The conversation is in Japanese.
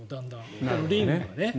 このリングがね。